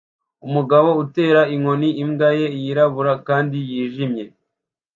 Umugabo utera inkoni imbwa ye yirabura kandi yijimye